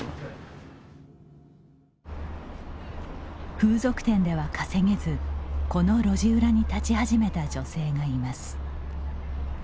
風俗店では稼げずこの路地裏に立ち始めた女性がいます。